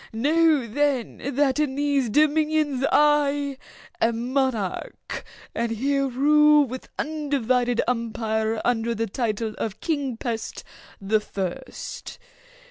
Know then that in these dominions I am monarch, and here rule with undivided empire under the title of 'King Pest the First.